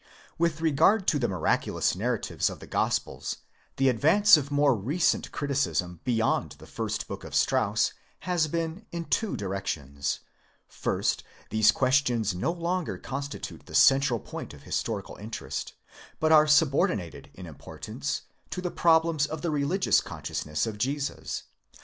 With regard to the miraculous narratives of the 'Gospels, the advance of more recent criticism beyond the first book of Strauss has been in two directions, First, these questions no longer constitute the central point of historical interest, but are subordi nated in importance to the problems of the religious 'consciousness of Jesus.